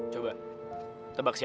coba tebak siapa